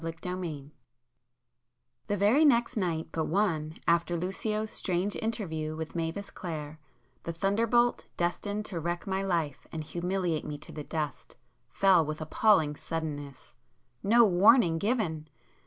[p 356]XXX The very next night but one after Lucio's strange interview with Mavis Clare, the thunderbolt destined to wreck my life and humiliate me to the dust, fell with appalling suddenness. No warning given!